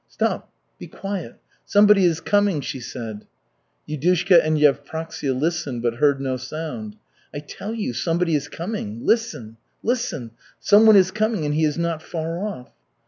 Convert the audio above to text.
"Stop, be quiet. Somebody is coming," she said. Yudushka and Yevpraksia listened, but heard no sound. "I tell you, somebody is coming. Listen, listen! Someone is coming and he is not far off."